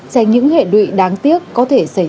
dành những hệ đuỵ đáng tiếc có thể xảy ra